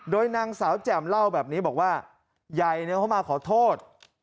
โดยนางสาวแจ่มเล่าแบบนี้บอกว่าใหญ่เข้ามาขอโทษ